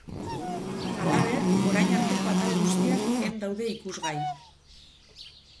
Halaber, orain arteko atal guztiak en daude ikusgai.